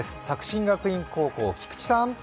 作新学院高校、菊池さん。